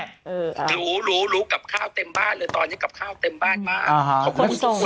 รู้รู้รู้กลับข้าวเต็มบ้านเลยตอนนี้กลับข้าวเต็มบ้านมาก